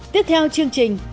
tiếp theo chương trình